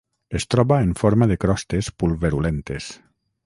Es troba en forma de crostes pulverulentes.